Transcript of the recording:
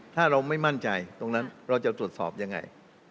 ถ้าเราไม่มั่นใจตรงนั้นเราจะตรวจสอบยังไง